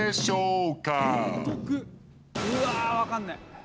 うわわかんない。